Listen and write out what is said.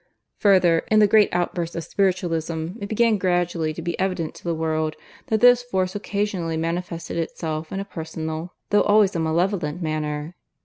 Further, in the great outburst of Spiritualism it began gradually to be evident to the world that this force occasionally manifested itself in a personal, though always a malevolent manner.